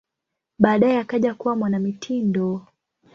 Baadaye akaja kuwa mwanamitindo.